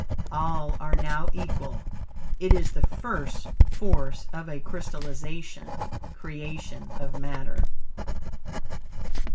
All are now equal. It is the first force of a crystallization (creation) of matter.